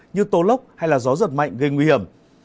như tố lốc hay gió giật mạnh gây nguy hiểm